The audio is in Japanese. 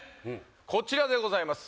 こちらでございます